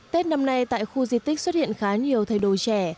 tết năm nay tại khu di tích xuất hiện khá nhiều thầy đồ trẻ